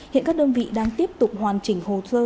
hiện các đơn vị đang tiếp tục hoàn chỉnh hồ sơ